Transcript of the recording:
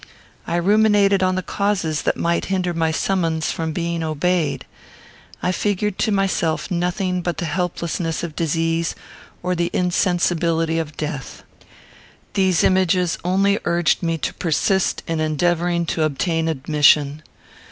I ruminated on the causes that might hinder my summons from being obeyed. I figured to myself nothing but the helplessness of disease, or the insensibility of death. These images only urged me to persist in endeavouring to obtain admission.